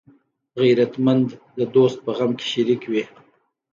غیرتمند د دوست په غم کې شریک وي